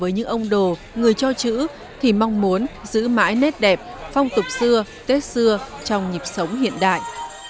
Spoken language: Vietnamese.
với những ông đồ người cho chữ thì mong muốn giữ mãi nét đẹp phong tục xưa tết xưa trong nhịp sống hiện đại